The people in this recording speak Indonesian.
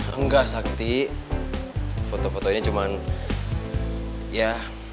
enggak sakti foto foto ini cuma ya